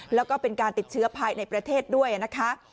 แล้วก็เป็นการติดเชื้อภายในประเทศด้วยนะคะ